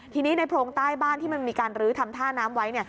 ทีนี้ในโพรงใต้บ้านที่มันมีการลื้อทำท่าน้ำไว้